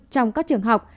trong các trường học